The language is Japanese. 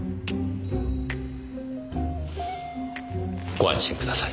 ご安心ください。